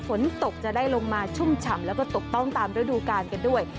ฝนตกจะได้ลงมาชุ่มฉ่ำแล้วก็ตกต้องตามฤดูกาลกันด้วย